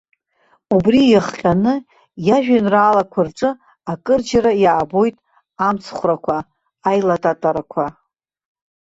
Убри иахҟьаны, иажәеинраалақәа рҿы акырџьара иаабоит амцхәрақәа, аилататарақәа.